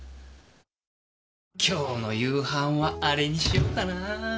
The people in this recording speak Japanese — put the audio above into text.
今日の夕飯はアレにしようかな。